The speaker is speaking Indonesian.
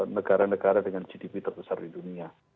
negara negara dengan gdp terbesar di dunia